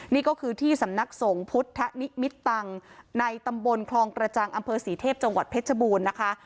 นี่ก็คือที่สำนักสงฆ์พุทธนิมิตตังในตำบลคลองกระจังอำเภอศรีเทพจังหวัดเพชรบูรณ์นะคะ